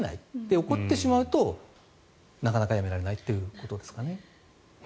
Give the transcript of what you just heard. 起こってしまうとなかなかやめられないということですかね。